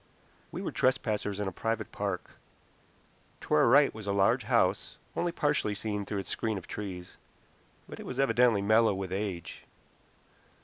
We were trespassers in a private park. To our right was a large house, only partially seen through its screen of trees, but it was evidently mellow with age.